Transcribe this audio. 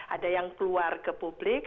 ada yang keluar ke publik